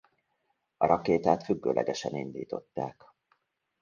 A rakétát függőlegesen indították.